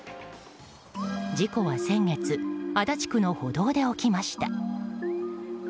事故は先月足立区の歩道で起きました。